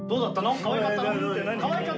かわいかったの？